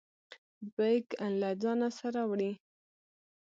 بیګ له ځانه سره وړئ؟